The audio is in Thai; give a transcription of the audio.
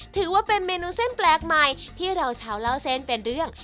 ถือว่าเป็นเมนูเส้นแปลกใหม่ที่เราชาวเล่าเส้นเป็นเรื่อง